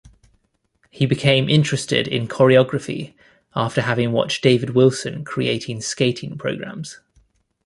He became interested in choreography after having watched David Wilson creating skating programs.